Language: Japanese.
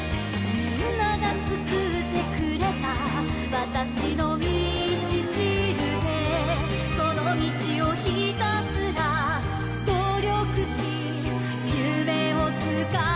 「みんなが作ってくれたわたしの道しるべ」「その道をひたすら努力し夢をつかむのよ」